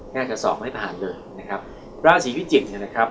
แค่กระสอบไม่ผ่านเลยนะครับราศีพิจิกษ์เนี่ยนะครับ